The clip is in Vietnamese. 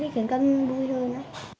khiến con vui hơn